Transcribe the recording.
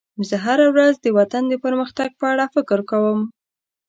زه هره ورځ د وطن د پرمختګ په اړه فکر کوم.